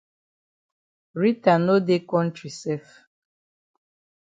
Rita no dey kontri sef.